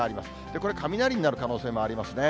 これ、雷になる可能性もありますね。